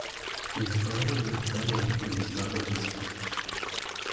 His father is Italian and his mother is Spanish.